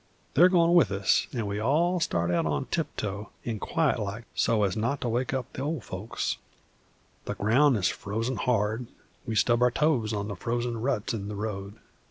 They're goin' with us, an' we all start out tiptoe and quiet like so's not to wake up the ol' folks. The ground is frozen hard; we stub our toes on the frozen ruts in the road.